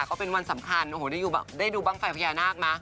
ก็เป็นวันสำคัญโอ้โหได้ดูบ้างไฟพญานาคนะ